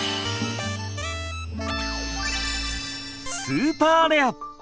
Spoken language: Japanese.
スーパーレア！